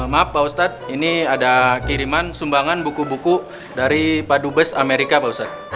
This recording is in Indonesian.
maaf pak ustadz ini ada kiriman sumbangan buku buku dari pak dubes amerika pak ustadz